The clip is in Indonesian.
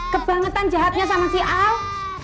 kebangetan jahatnya sama si al